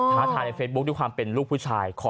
ท้าทายในเฟซบุ๊คด้วยความเป็นลูกผู้ชาย